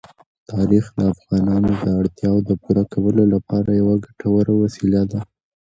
تاریخ د افغانانو د اړتیاوو د پوره کولو لپاره یوه ګټوره وسیله ده.